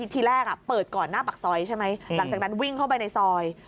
ทีแรกเปิดก่อนหน้าปากซอยใช่ไหมหลังจากนั้นวิ่งเข้าไปในซอย